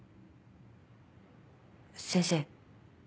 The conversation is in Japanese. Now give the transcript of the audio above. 先生。